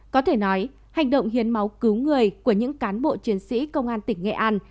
có thể nói hành động hiến máu cứu người của những cán bộ chiến sĩ công an tỉnh nghệ an